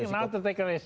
nggak mau ambil risiko